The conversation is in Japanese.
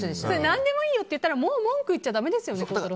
何でもいいよって言ったらもう文句言っちゃだめですよね。